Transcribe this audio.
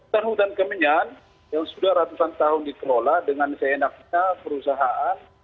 tanah hutan keminyan yang sudah ratusan tahun dikelola dengan seenaknya perusahaan